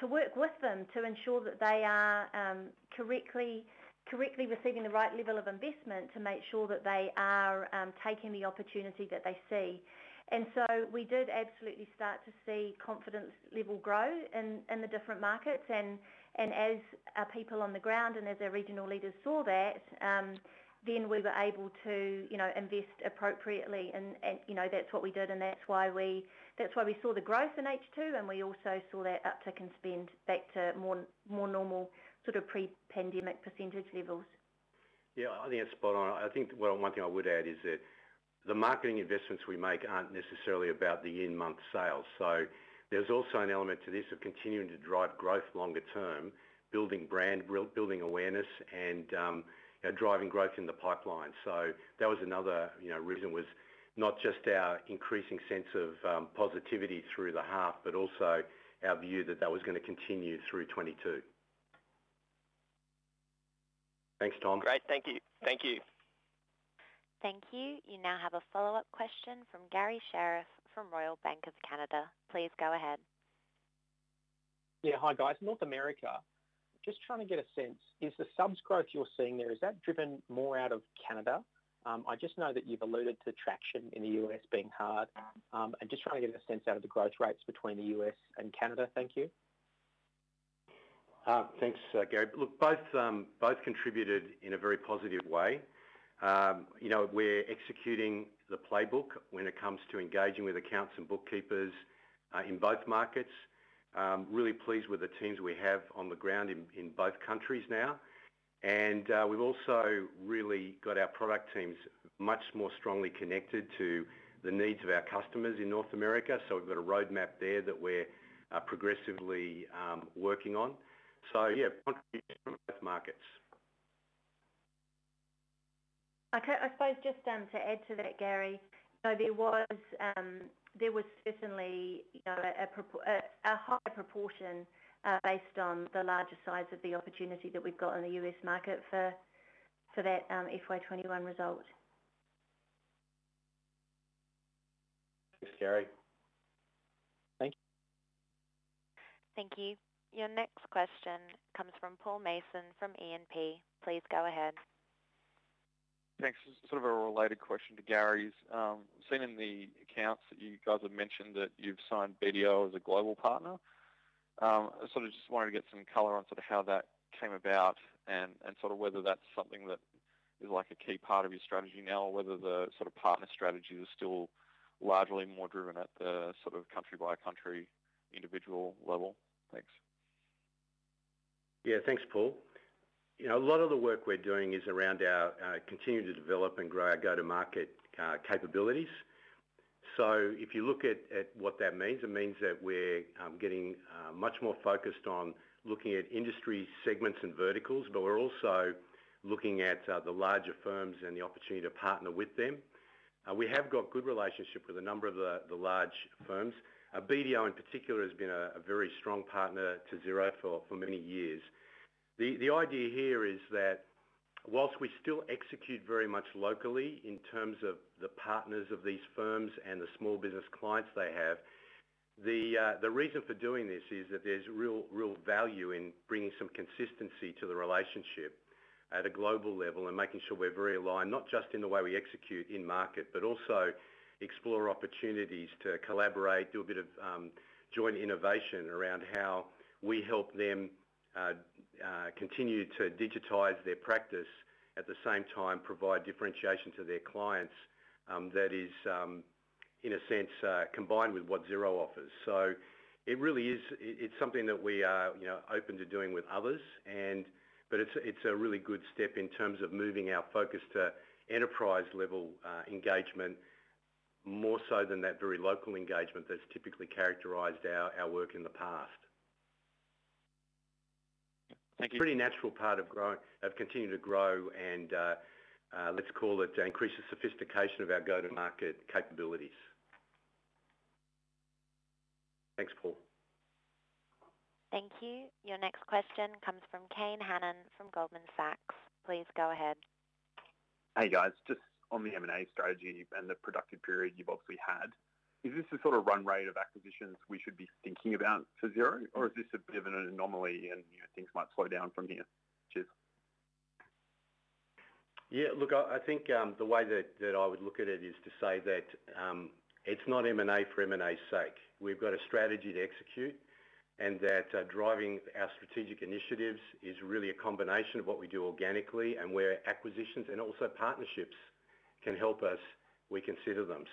to work with them to ensure that they are correctly receiving the right level of investment to make sure that they are taking the opportunity that they see. We did absolutely start to see confidence level grow in the different markets. As our people on the ground and as our regional leaders saw that, then we were able to invest appropriately and that's what we did. That's why we saw the growth in H2 and we also saw that uptick in spend back to more normal pre-pandemic percentage levels. Yeah. I think that's spot on. I think one thing I would add is that the marketing investments we make aren't necessarily about the in-month sales. There's also an element to this of continuing to drive growth longer term, building brand, building awareness, and driving growth in the pipeline. That was another reason, was not just our increasing sense of positivity through the half, but also our view that was going to continue through 2022. Thanks, Tom. Great. Thank you. Thank you. You now have a follow-up question from Garry Sherriff from Royal Bank of Canada. Please go ahead. Yeah. Hi, guys. North America, just trying to get a sense, is the subs growth you're seeing there, is that driven more out of Canada? I just know that you've alluded to traction in the U.S. being hard. I'm just trying to get a sense out of the growth rates between the U.S. and Canada. Thank you. Thanks, Garry. Look, both contributed in a very positive way. We're executing the playbook when it comes to engaging with accounts and bookkeepers, in both markets. Really pleased with the teams we have on the ground in both countries now. We've also really got our product teams much more strongly connected to the needs of our customers in North America. We've got a roadmap there that we're progressively working on. Yeah, contribution from both markets. I suppose just to add to that, Garry, there was certainly a higher proportion based on the larger size of the opportunity that we've got in the U.S. market for that FY 2021 result. Thanks, Garry. Thank you. Thank you. Your next question comes from Paul Mason from E&P. Please go ahead. Thanks. This is sort of a related question to Garry's. I've seen in the accounts that you guys have mentioned that you've signed BDO as a global partner. I sort of just wanted to get some color on how that came about and whether that's something that is a key part of your strategy now, or whether the sort of partner strategy is still largely more driven at the country by country, individual level. Thanks. Yeah. Thanks, Paul. A lot of the work we're doing is around our continuing to develop and grow our go-to-market capabilities. If you look at what that means, it means that we're getting much more focused on looking at industry segments and verticals, but we're also looking at the larger firms and the opportunity to partner with them. We have got good relationship with a number of the large firms. BDO in particular has been a very strong partner to Xero for many years. The idea here is that while we still execute very much locally in terms of the partners of these firms and the small business clients they have, the reason for doing this is that there's real value in bringing some consistency to the relationship at a global level and making sure we're very aligned, not just in the way we execute in-market, but also explore opportunities to collaborate, do a bit of joint innovation around how we help them continue to digitize their practice. At the same time, provide differentiation to their clients, that is, in a sense, combined with what Xero offers. It's something that we are open to doing with others, but it's a really good step in terms of moving our focus to enterprise level engagement, more so than that very local engagement that's typically characterized our work in the past. Thank you. A pretty natural part of continuing to grow and, let's call it increasing sophistication of our go-to-market capabilities. Thanks, Paul. Thank you. Your next question comes from Kane Hannan from Goldman Sachs. Please go ahead. Hey, guys. Just on the M&A strategy and the productive period you've obviously had, is this the sort of run rate of acquisitions we should be thinking about for Xero? Is this a bit of an anomaly and things might slow down from here? Cheers. Yeah, look, I think, the way that I would look at it is to say that it's not M&A for M&A's sake. We've got a strategy to execute, and that driving our strategic initiatives is really a combination of what we do organically and where acquisitions and also partnerships can help us, we consider them.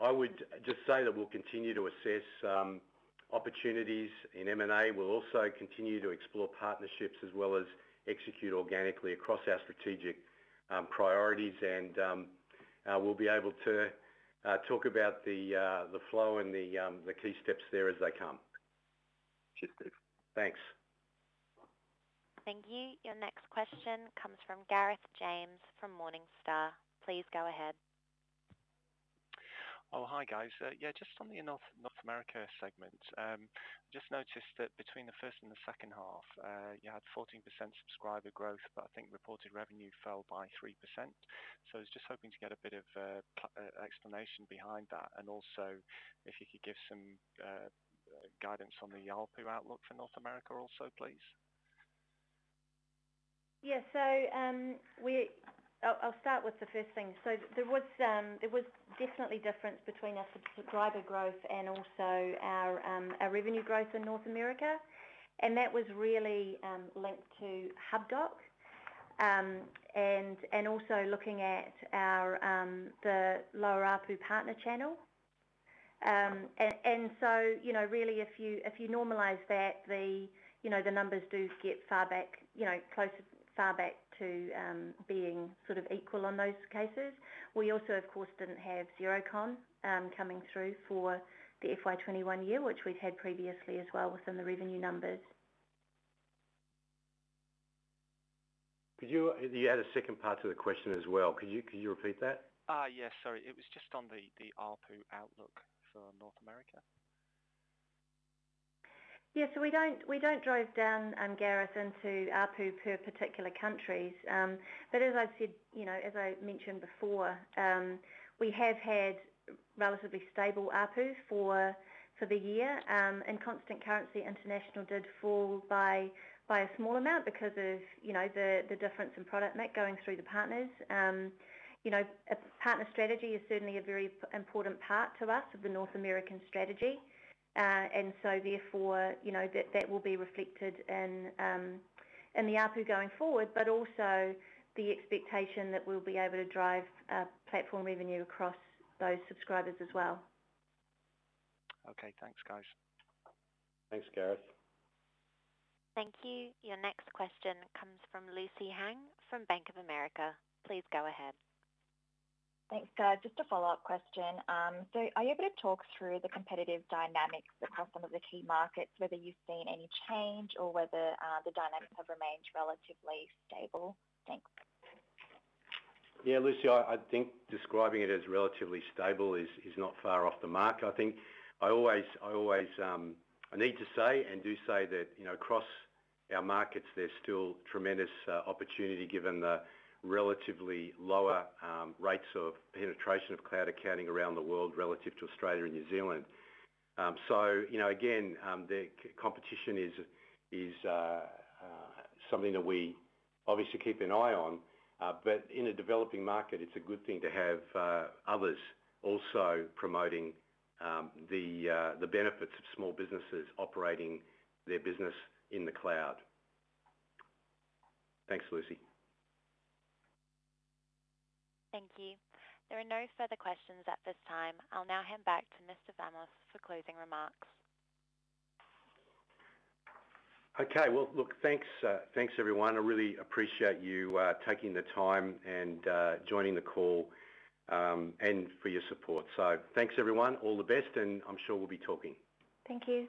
I would just say that we'll continue to assess opportunities in M&A. We'll also continue to explore partnerships as well as execute organically across our strategic priorities. We'll be able to talk about the flow and the key steps there as they come. Cheers. Thanks. Thank you. Your next question comes from Gareth James from Morningstar. Please go ahead. Oh, hi, guys. Yeah, just on the North America segment. Just noticed that between the first and the second half, you had 14% subscriber growth, but I think reported revenue fell by 3%. I was just hoping to get a bit of explanation behind that, and also if you could give some guidance on the ARPU outlook for North America also, please. Yeah. I'll start with the first thing. There was definitely difference between our subscriber growth and also our revenue growth in North America, and that was really linked to Hubdoc, and also looking at the lower ARPU partner channel. Really, if you normalize that, the numbers do get far back to being sort of equal on those cases. We also, of course, didn't have Xerocon coming through for the FY 2021 year, which we'd had previously as well within the revenue numbers. You had a second part to the question as well. Could you repeat that? Yes. Sorry. It was just on the ARPU outlook for North America. Yeah. We don't drive down, Gareth, into ARPU per particular countries. As I mentioned before, we have had relatively stable ARPU for the year. In constant currency, international did fall by a small amount because of the difference in product mix going through the partners. Partner strategy is certainly a very important part to us of the North American strategy. Therefore, that will be reflected in the ARPU going forward, but also the expectation that we'll be able to drive platform revenue across those subscribers as well. Okay. Thanks, guys. Thanks, Gareth. Thank you. Your next question comes from Lucy Huang from Bank of America. Please go ahead. Thanks, guys. Just a follow-up question. Are you able to talk through the competitive dynamics across some of the key markets, whether you've seen any change or whether the dynamics have remained relatively stable? Thanks. Yeah, Lucy, I think describing it as relatively stable is not far off the mark. I think I need to say and do say that across our markets, there's still tremendous opportunity given the relatively lower rates of penetration of cloud accounting around the world relative to Australia and New Zealand. Again, the competition is something that we obviously keep an eye on. In a developing market, it's a good thing to have others also promoting the benefits of small businesses operating their business in the cloud. Thanks, Lucy. Thank you. There are no further questions at this time. I'll now hand back to Mr. Vamos for closing remarks. Okay. Well, look, thanks everyone. I really appreciate you taking the time and joining the call, and for your support. Thanks everyone. All the best. I'm sure we'll be talking. Thank you.